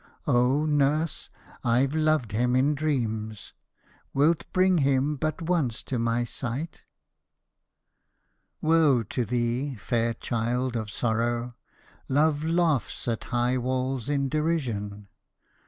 Oh, nurse ! I 've loved him in dreams. — Wilt bring him but once to my sight?' Woe to thee, fair child of sprrow ! Love laughs at high walls in derision.